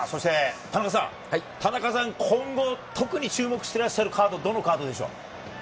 田中さん、今後、特に注目しているカードはどのカードでしょうか？